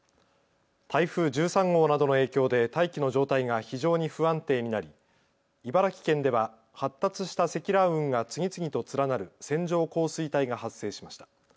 台風１３号などの影響で大気の状態が非常に不安定になり茨城県では発達した積乱雲が次々と連なる線状降水帯が発生しました。